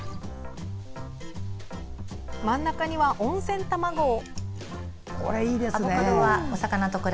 真ん中には温泉卵を。